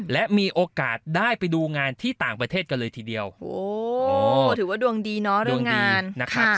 และมีโอกาสได้ไปดูงานที่ต่างประเทศกันเลยทีเดียวโอ้โหถือว่าดวงดีเนาะเรื่องงานนะคะ